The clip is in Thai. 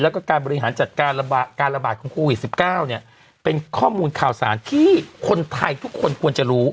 แล้วก็การบริหารจัดการการระบาดของโควิด๑๙เนี่ยเป็นข้อมูลข่าวสารที่คนไทยทุกคนควรจะรู้